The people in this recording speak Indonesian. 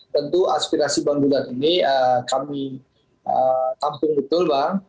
tentu aspirasi bang gulat ini kami tampung betul bang